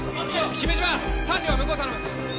姫島三寮は向こうを頼む。